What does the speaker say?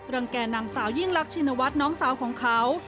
แก่นางสาวยิ่งรักชินวัฒน์น้องสาวของเขา